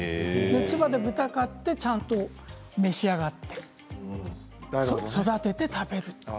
千葉で豚を飼ってちゃんと召し上がって育てて食べる。